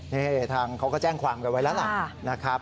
นี่ทางเขาก็แจ้งความกันไว้แล้วล่ะนะครับ